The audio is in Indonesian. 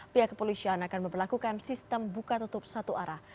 pihak kepolisian akan memperlakukan sistem buka tutup satu arah